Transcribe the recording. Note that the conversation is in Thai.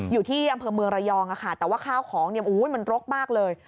อยู่ที่อำเภอเมืองระยองค่ะแต่ว่าข้าวของมันรกมากเลย